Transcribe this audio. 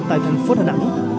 tại thành phố đà nẵng